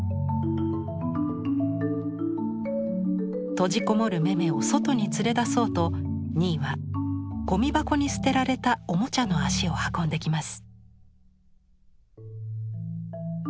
閉じこもるメメを外に連れ出そうとニーはゴミ箱に捨てられたおもちゃの足を運んできます。